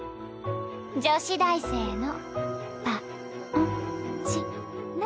女子大生のパ・ン・チ・ラ。